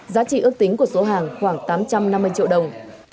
giá trị ước tính của số hàng khoảng tám trăm năm mươi triệu đồng